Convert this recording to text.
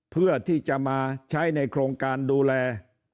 เพื่อที่จะมาใช้ในโครงการดูแล